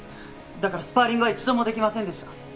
だからスパーリングは一度もできませんでした。